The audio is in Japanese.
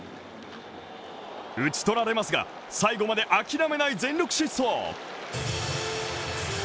打ち取られますが、最後まで諦めない全力疾走。